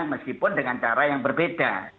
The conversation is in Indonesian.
meskipun dengan cara yang berbeda